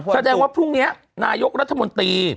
แสดงว่าพรุ่งนี้นายกรัฐมนตรี